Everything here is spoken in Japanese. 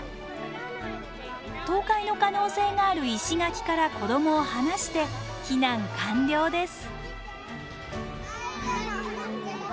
倒壊の可能性がある石垣から子どもを離して避難完了です。